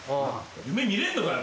夢見れんのかよ